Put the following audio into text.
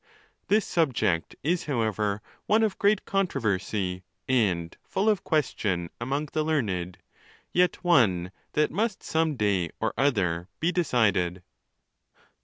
This subject is, however, one of great controversy, and full of question among the learned, yet one that must some day or other be decided.